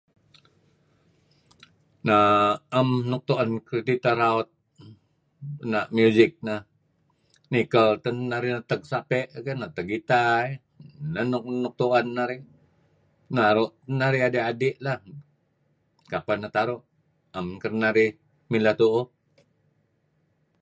Na'em nuk tu'en kekiteh raut na' music neh, nikel tun teh narih neteg sape' keh neteg guitar , neh nuk tu'en narih naru' narih adi'-adi' lah kapeh neh tar' 'am men kedinarih mileh tu'uh.